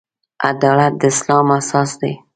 عدالت د اسلام اساس دی.